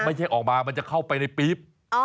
ไม่ใช่ออกมามันจะเข้าไปในปี๊บ